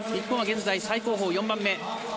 日本は現在最高峰４番目。